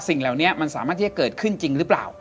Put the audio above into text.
สิ่งเหล่านี้มันสามารถที่จะเกิดขึ้นจริงหรือเปล่า